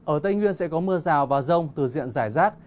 ở tây nguyên sẽ có mưa rào và rông từ diện giải rác